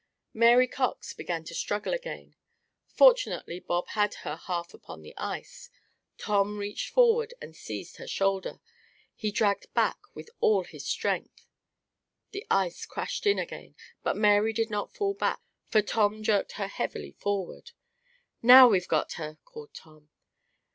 Mary Cox began to struggle again. Fortunately Bob had her half upon the ice. Tom reached forward and seized her shoulder. He dragged back with all his strength. The ice crashed in again; but Mary did not fall back, for Tom jerked her heavily forward. "Now we've got her!" called Tom.